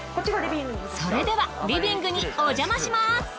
それではリビングにおじゃまします。